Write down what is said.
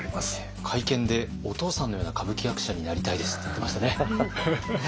会見で「お父さんのような歌舞伎役者になりたいです」って言ってましたね。